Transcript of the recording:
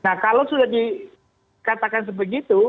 nah kalau sudah dikatakan seperti itu